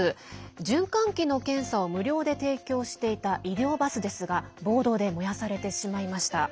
循環器の検査を、無料で提供していた医療バスですが暴動で燃やされてしまいました。